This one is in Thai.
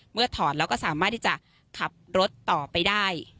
ถอดแล้วก็สามารถที่จะขับรถต่อไปได้